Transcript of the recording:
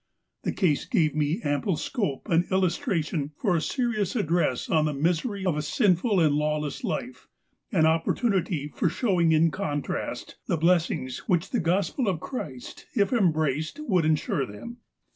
" The case gave me ample scope and illustration for a serious address on the misery of a sinful and lawless life, and oppor tunity for showing in contrast the blessings which the Gospel of Christ, if embraced, would ensure them.